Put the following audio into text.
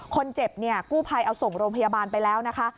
คนเจ็บเนี่ยกู้ภัยเอาส่งโรงพยาบาลไปแล้วนะคะ